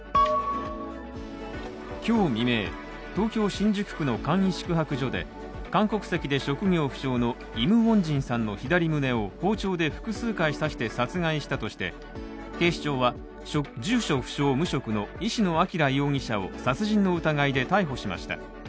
今日未明、東京・新宿区の簡易宿泊所で韓国籍で職業不詳のイム・ウォンジンさんの左胸を包丁で複数回刺して殺害したとして、警視庁は住所不詳・無職の石野彰容疑者を殺人の疑いで逮捕しました。